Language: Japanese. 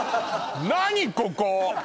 何ここ！